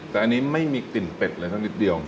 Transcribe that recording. แต่อันนี้ไม่มีกลิ่นเป็ดเลยสักนิดเดียว